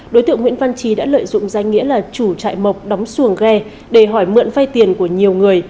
đối tượng nguyễn văn trí đã lợi dụng danh nghĩa là chủ trại mộc đóng xuồng ghe để hỏi mượn phay tiền của nhiều người